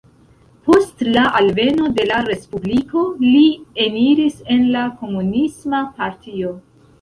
Post la alveno de la Respubliko li eniris en la Komunisma Partio.